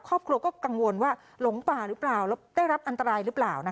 ครอบครัวก็กังวลว่าหลงป่าหรือเปล่าแล้วได้รับอันตรายหรือเปล่า